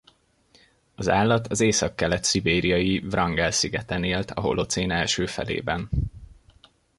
Az állat az északkelet-szibériai Vrangel-szigeten élt a holocén első felében.